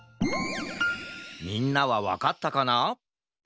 みんなはわかったかな？